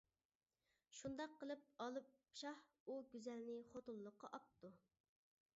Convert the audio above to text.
شۇنداق قىلىپ، ئالىپ شاھ ئۇ گۈزەلنى خوتۇنلۇققا ئاپتۇ.